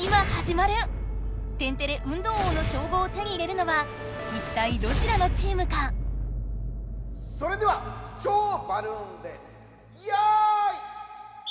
「天てれ運動王」の称号を手に入れるのはいったいどちらのチームか⁉それでは「超・バルーンレース！」よい！